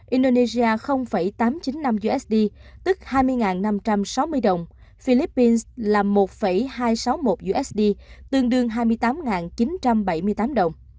indonesia tám trăm chín mươi năm usd tức hai mươi năm trăm sáu mươi đồng philippines là một hai trăm sáu mươi một usd tương đương hai mươi tám chín trăm bảy mươi tám đồng